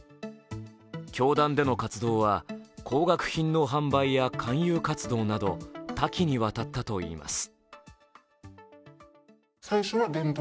教団での活動は、高額品の販売や勧誘活動など多岐にわたったといいます。